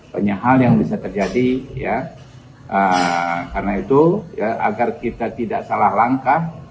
banyak hal yang bisa terjadi ya karena itu agar kita tidak salah langkah